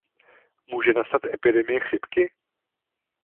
Může nastat epidemie chřipky?